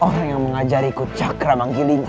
orang yang mengajari ku cakra manggil ingat